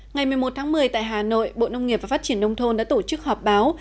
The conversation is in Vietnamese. ngày một mươi một tháng một mươi tại hà nội bộ nông nghiệp và phát triển nông thôn đã tổ chức họp báo